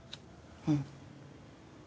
うん。